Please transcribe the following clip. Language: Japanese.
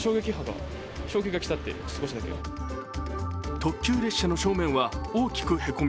特急列車の正面は大きくへこみ